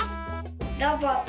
ロボット。